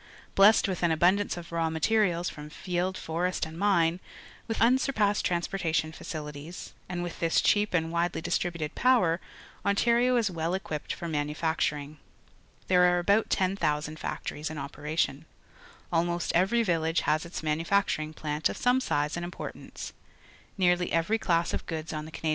Blessed with an abun dance of raw materials from field, forest, and mine, with unsurpassed transportation facili ties, and with this cheap and widely dis tributed power, Ontar io is well equipped for manufacturing. There fu; ejd)oirtJ0J10(i factories in. operation] Slmost every village has its manufacturing plant of some size and importance. Nearly everj^ class ot _goods on the Canadian market is manufac tured within the province.